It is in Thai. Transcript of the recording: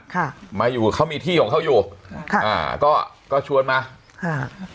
ค่ะมาอยู่เขามีที่ของเขาอยู่ค่ะอ่าก็ก็ชวนมาค่ะ